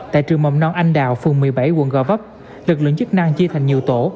tại trường mầm non anh đào phường một mươi bảy quận gò vấp lực lượng chức năng chia thành nhiều tổ